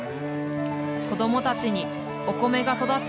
子供たちにお米が育つ